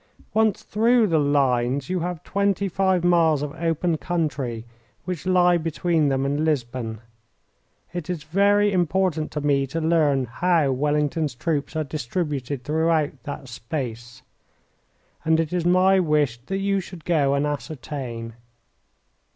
Once through the lines you have twenty five miles of open country which lie between them and Lisbon. It is very important to me to learn how Wellington's troops are distributed throughout that space, and it is my wish that you should go and ascertain."